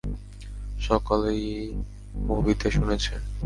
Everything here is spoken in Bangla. সকলেই মুভিতে শুনেছে।